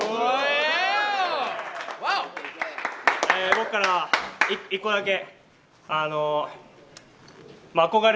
僕から一個だけ。